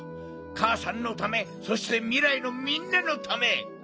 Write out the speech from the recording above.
かあさんのためそしてみらいのみんなのため！